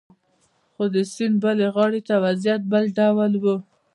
خو د سیند بلې غاړې ته وضعیت بل ډول و